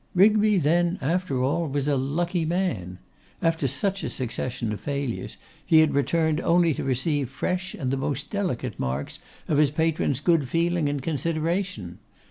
Rigby then, after all, was a lucky man. After such a succession of failures, he had returned only to receive fresh and the most delicate marks of his patron's good feeling and consideration.